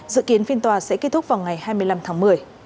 dự kiến phiên tòa sẽ kết thúc vào ngày hai mươi năm tháng một mươi